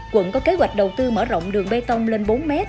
quận có kế hoạch đầu tư mở rộng đường bê tông lên bốn m